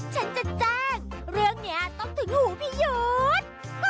ฉันจะแจ้งเรื่องนี้ต้องถึงหูพี่ยุทธ์